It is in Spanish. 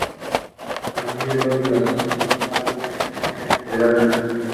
A partir de la hoz de Santa Lucía la vegetación cambia considerablemente.